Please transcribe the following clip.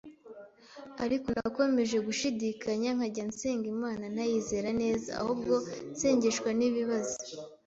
Ariko nakomeje gushidikanya, nkajya nsenga Imana ntayizera neza ahubwo nsengeshwa n’ibibazo.